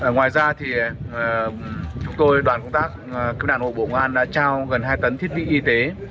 ngoài ra thì chúng tôi đoàn công tác cứu nạn hộ bộ ngoan đã trao gần hai tấn thiết bị y tế